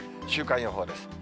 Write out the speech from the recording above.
週間予報です。